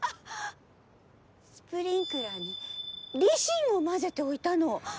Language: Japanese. スプリンクラーにリシンを混ぜておいたの。